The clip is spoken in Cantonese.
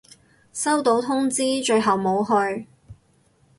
收到通知，最後冇去